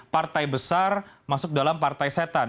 partai besar masuk dalam partai setan